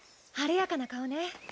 晴れやかな顔ね